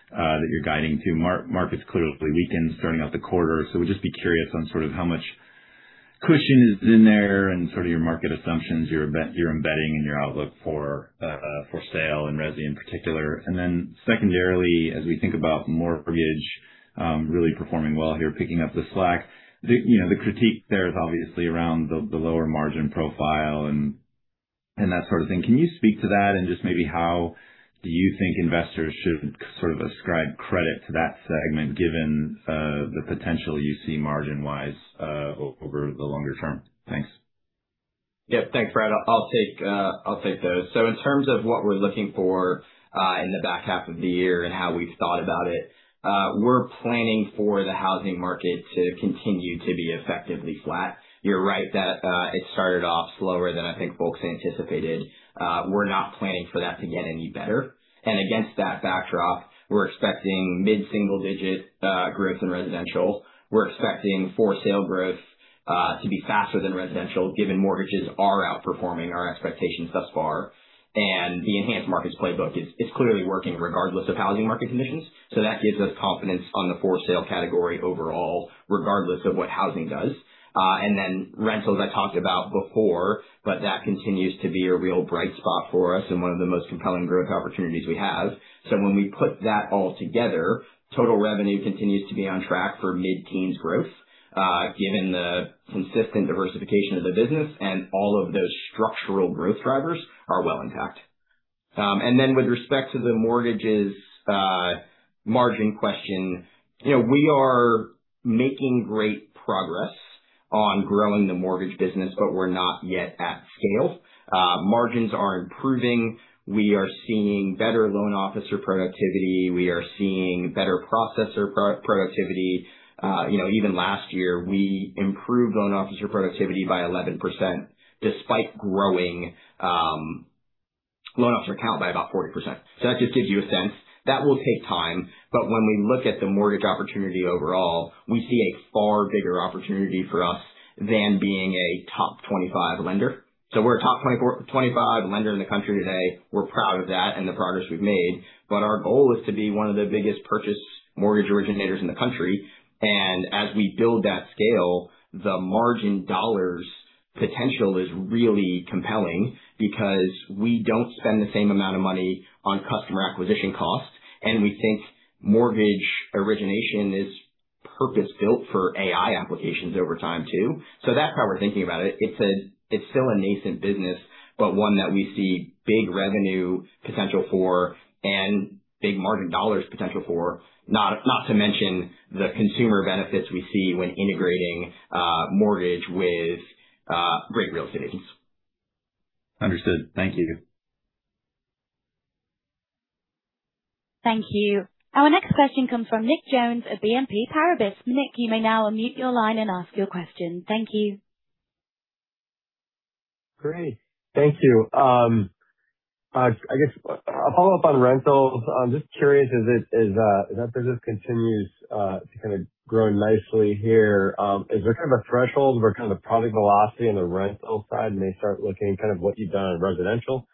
that you're guiding to. Markets clearly weakened starting out the quarter. We'd just be curious on sort of how much cushion is in there and sort of your market assumptions, you're embedding in your outlook for for sale and resi in particular. Secondarily, as we think about mortgage, really performing well here, picking up the slack, you know, the critique there is obviously around the lower margin profile and that sort of thing. Can you speak to that? Just maybe how do you think investors should sort of ascribe credit to that segment given, the potential you see margin wise, over the longer term? Thanks. Yeah. Thanks, Brad. I'll take those. In terms of what we're looking for in the back half of the year and how we've thought about it, we're planning for the housing market to continue to be effectively flat. You're right that it started off slower than I think folks anticipated. We're not planning for that to get any better. Against that backdrop, we're expecting mid-single digit growth in residential. We're expecting for sale growth to be faster than residential, given mortgages are outperforming our expectations thus far. The enhanced markets playbook is clearly working regardless of housing market conditions. That gives us confidence on the for sale category overall, regardless of what housing does. Rentals I talked about before, but that continues to be a real bright spot for us and one of the most compelling growth opportunities we have. When we put that all together, total revenue continues to be on track for mid-teens growth, given the consistent diversification of the business and all of those structural growth drivers are well intact. With respect to the mortgages, margin question, you know, we are making great progress on growing the mortgage business, but we're not yet at scale. Margins are improving. We are seeing better loan officer productivity. We are seeing better processor productivity. You know, even last year, we improved loan officer productivity by 11% despite growing loan officer count by about 40%. That just gives you a sense. That will take time, but when we look at the mortgage opportunity overall, we see a far bigger opportunity for us than being a top 25 lender. We're a top 25 lender in the country today. We're proud of that and the progress we've made. Our goal is to be one of the biggest purchase mortgage originators in the country. As we build that scale, the margin dollars potential is really compelling because we don't spend the same amount of money on customer acquisition costs. We think mortgage origination is purpose-built for AI applications over time too. That's how we're thinking about it. It's still a nascent business, but one that we see big revenue potential for and big margin dollars potential for. Not to mention the consumer benefits we see when integrating mortgage with great real estate. Understood. Thank you. Thank you. Our next question comes from Nick Jones at BNP Paribas. Nick, you may now unmute your line and ask your question. Thank you. Great. Thank you. I guess a follow-up on rentals. I'm just curious, as that business continues to kind of grow nicely here, is there kind of a threshold where kind of the product velocity on the rental side may start looking kind of what you've done in residential?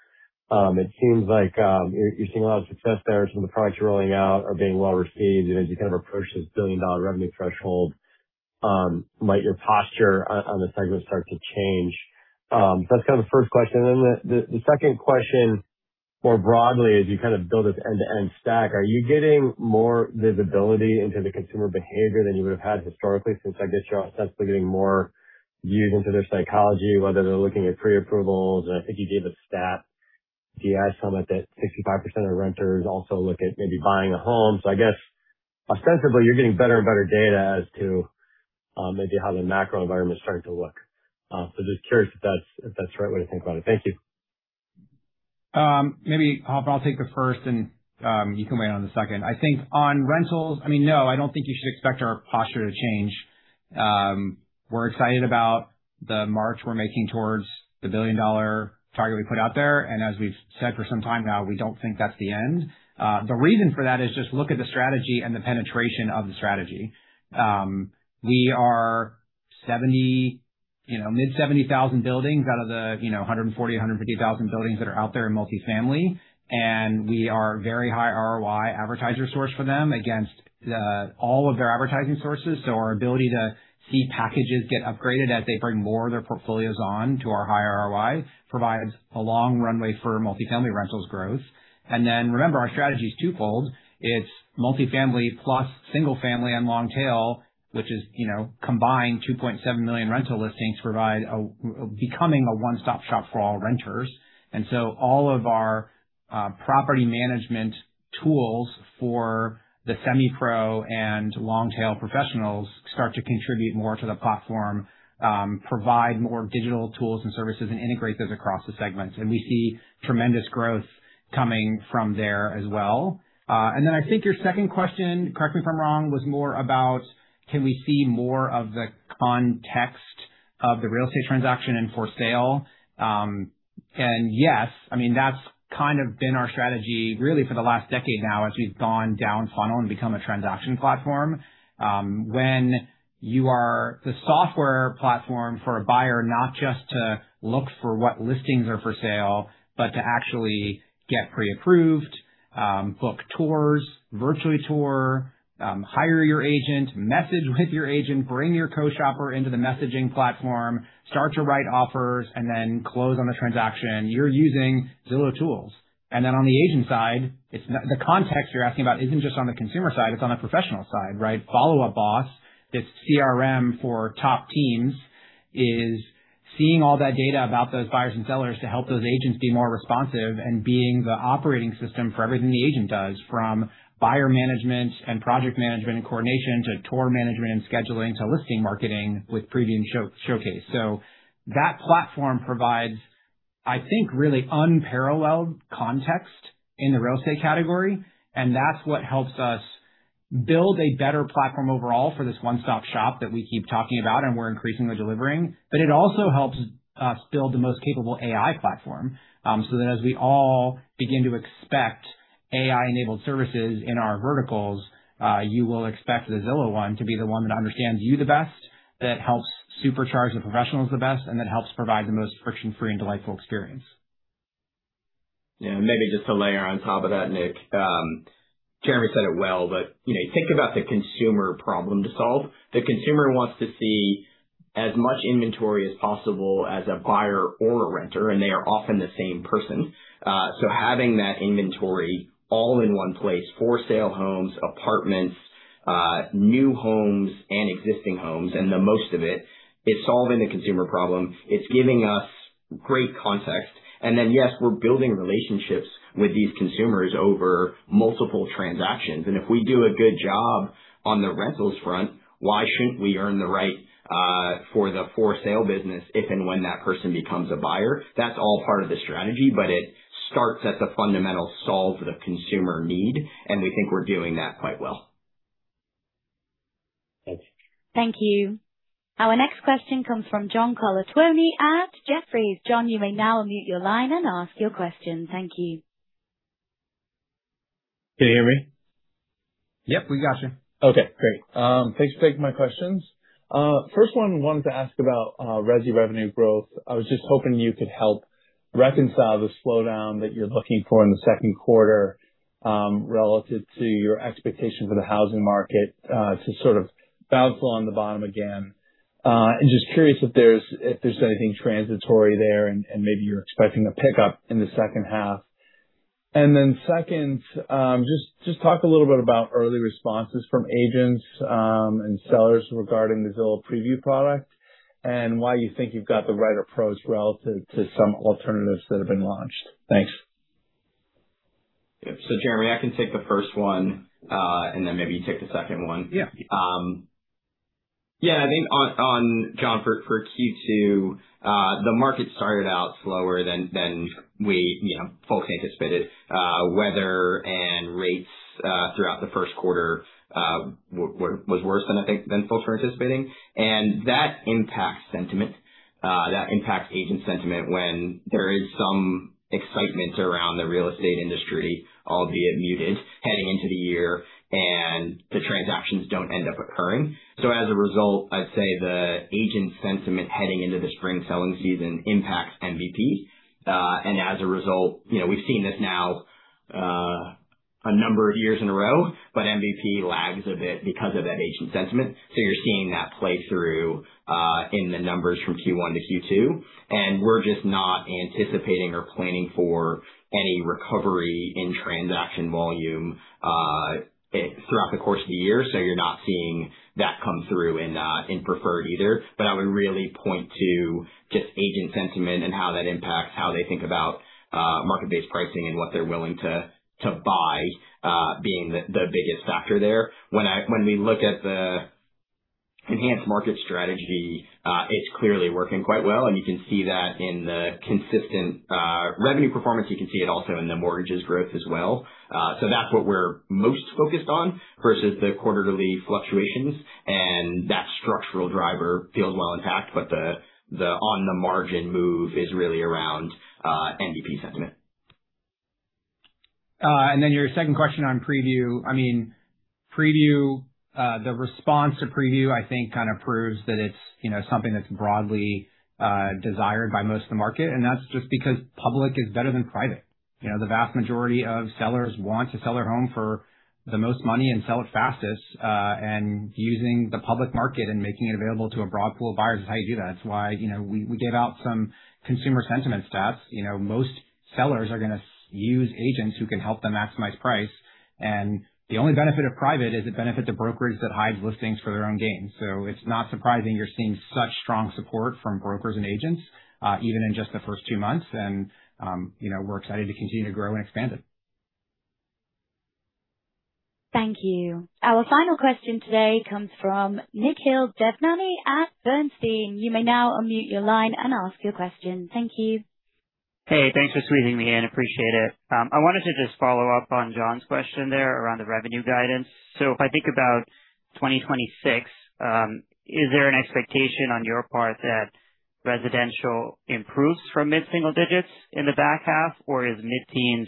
It seems like you're seeing a lot of success there. Some of the products you're rolling out are being well received. You know, as you kind of approach this $1 billion revenue threshold, might your posture on the segment start to change? That's kind of the first question. The second question more broadly is you kind of build this end-to-end stack. Are you getting more visibility into the consumer behavior than you would have had historically? Since I guess you're ostensibly getting more views into their psychology, whether they're looking at pre-approvals. I think you gave a stat at the AI Summit that 65% of renters also look at maybe buying a home. I guess ostensibly, you're getting better and better data as to, maybe how the macro environment is starting to look. Just curious if that's, if that's the right way to think about it. Thank you. Maybe I'll take the first and you can weigh in on the second. I think on rentals, I mean, no, I don't think you should expect our posture to change. We're excited about the march we're making towards the $1 billion target we put out there. As we've said for some time now, we don't think that's the end. The reason for that is just look at the strategy and the penetration of the strategy. We are, you know, mid 70,000 buildings out of the, you know, 140,000, 150,000 buildings that are out there in multifamily, and we are very high ROI advertiser source for them against all of their advertising sources. Our ability to see packages get upgraded as they bring more of their portfolios on to our high ROI provides a long runway for multifamily rentals growth. Remember, our strategy is twofold. It's multifamily plus single family and long tail, which is, you know, combined 2.7 million rental listings becoming a one-stop shop for all renters. All of our property management tools for the semi-pro and long tail professionals start to contribute more to the platform, provide more digital tools and services and integrate those across the segments. We see tremendous growth coming from there as well. I think your second question, correct me if I'm wrong, was more about can we see more of the context? Of the real estate transaction and for sale. Yes, I mean, that's kind of been our strategy really for the last decade now as we've gone down funnel and become a transaction platform. When you are the software platform for a buyer, not just to look for what listings are for sale, but to actually get pre-approved, book tours, virtually tour, hire your agent, message with your agent, bring your co-shopper into the messaging platform, start to write offers, then close on the transaction. You're using Zillow tools. On the agent side, the context you're asking about isn't just on the consumer side, it's on the professional side, right? Follow Up Boss, it's CRM for top teams, is seeing all that data about those buyers and sellers to help those agents be more responsive and being the operating system for everything the agent does from buyer management and project management and coordination to tour management and scheduling to listing marketing with Preview and Showcase. That platform provides, I think, really unparalleled context in the real estate category, and that's what helps us build a better platform overall for this one-stop shop that we keep talking about, and we're increasingly delivering. It also helps us build the most capable AI platform, so that as we all begin to expect AI-enabled services in our verticals, you will expect the Zillow one to be the one that understands you the best, that helps supercharge the professionals the best, and that helps provide the most friction-free and delightful experience. Yeah. Maybe just to layer on top of that, Nick. Jeremy said it well, but, you know, think about the consumer problem to solve. The consumer wants to see as much inventory as possible as a buyer or a renter, and they are often the same person. Having that inventory all in one place, for sale homes, apartments, new homes and existing homes, and the most of it is solving the consumer problem. It's giving us great context. Yes, we're building relationships with these consumers over multiple transactions. If we do a good job on the rentals front, why shouldn't we earn the right for the for sale business if and when that person becomes a buyer? That's all part of the strategy, but it starts at the fundamental solve the consumer need, and we think we're doing that quite well. Thanks. Thank you. Our next question comes from John Colantuoni at Jefferies. John, you may now unmute your line and ask your question. Thank you. Can you hear me? Yep, we got you. Okay, great. Thanks for taking my questions. First one, wanted to ask about resi revenue growth. I was just hoping you could help reconcile the slowdown that you're looking for in the second quarter, relative to your expectation for the housing market to sort of bounce along the bottom again. Just curious if there's anything transitory there and maybe you're expecting a pickup in the second half. Then second, just talk a little bit about early responses from agents and sellers regarding the Zillow Preview product and why you think you've got the right approach relative to some alternatives that have been launched. Thanks. Jeremy, I can take the first one, and then maybe you take the second one. Yeah. Yeah, I think on John, for Q2, the market started out slower than we, you know, folks anticipated. Weather and rates throughout the first quarter was worse than folks were anticipating. That impacts sentiment. That impacts agent sentiment when there is some excitement around the real estate industry, albeit muted, heading into the year and the transactions don't end up occurring. As a result, I'd say the agent sentiment heading into the spring selling season impacts MBP. As a result, you know, we've seen this now a number of years in a row, but MBP lags a bit because of that agent sentiment. You're seeing that play through in the numbers from Q1 to Q2, and we're just not anticipating or planning for any recovery in transaction volume throughout the course of the year. You're not seeing that come through in Zillow Preferred either. I would really point to just agent sentiment and how that impacts how they think about market-based pricing and what they're willing to buy, being the biggest factor there. When we look at the enhanced market strategy, it's clearly working quite well, and you can see that in the consistent revenue performance. You can see it also in the mortgages growth as well. That's what we're most focused on versus the quarterly fluctuations. That structural driver feels well intact. The on the margin move is really around MBP sentiment. Your second question on Preview. I mean, Preview, the response to Preview, I think, kind of proves that it's, you know, something that's broadly desired by most of the market, and that's just because public is better than private. You know, the vast majority of sellers want to sell their home for the most money and sell it fastest, using the public market and making it available to a broad pool of buyers is how you do that. It's why, you know, we gave out some consumer sentiment stats. You know, most sellers are gonna use agents who can help them maximize price. The only benefit of private is it benefits the brokerage that hides listings for their own gain. It's not surprising you're seeing such strong support from brokers and agents, even in just the first two months. You know, we're excited to continue to grow and expand it. Thank you. Our final question today comes from Nikhil Devnani at Bernstein. You may now unmute your line and ask your question. Thank you. Hey, thanks for squeezing me in. Appreciate it. I wanted to just follow up on John's question there around the revenue guidance. If I think about 2026, is there an expectation on your part that residential improves from mid-single digits in the back half, or is mid-teens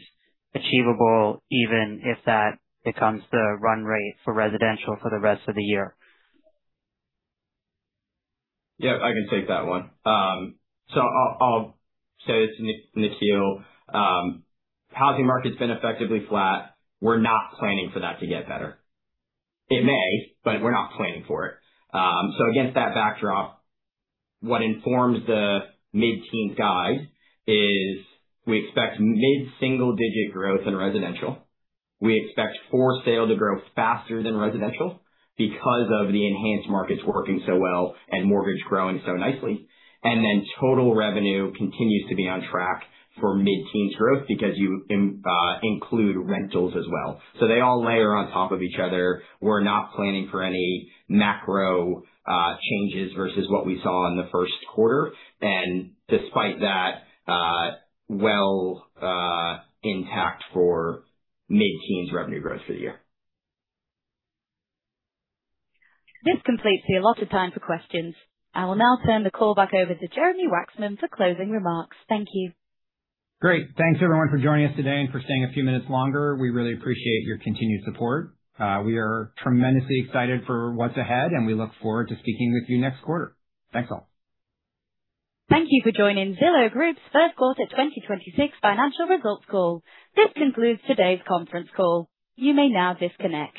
achievable even if that becomes the run rate for residential for the rest of the year? Yeah, I can take that one. I'll say this, Nikhil. Housing market's been effectively flat. We're not planning for that to get better. It may, we're not planning for it. Against that backdrop, what informs the mid-teen guide is we expect mid-single digit growth in residential. We expect for sale to grow faster than residential because of the enhanced markets working so well and mortgage growing so nicely. Total revenue continues to be on track for mid-teen growth because you include rentals as well. They all layer on top of each other. We're not planning for any macro changes versus what we saw in the first quarter. Despite that, well intact for mid-teens revenue growth for the year. This completes the allotted time for questions. I will now turn the call back over to Jeremy Wacksman for closing remarks. Thank you. Great. Thanks everyone for joining us today and for staying a few minutes longer. We really appreciate your continued support. We are tremendously excited for what's ahead, and we look forward to speaking with you next quarter. Thanks, all. Thank you for joining Zillow Group's first quarter 2026 financial results call. This concludes today's conference call. You may now disconnect.